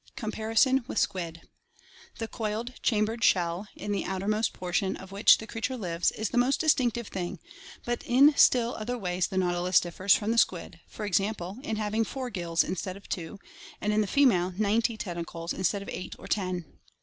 Comparison with Squid.— The coiled, chambered shell, in the outermost portion of • which the creature lives, is the most distinctive thing, but in Still Other ways the F"G. 104.— Nautilus adhering by means of its nautilus differs from the "•"•*•■ lA, ur wa* > squid, for example, in having four gills instead of two, and, in the female, ninety tentacles instead of eight or ten.